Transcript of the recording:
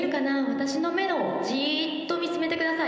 私の目をじーっと見つめてください。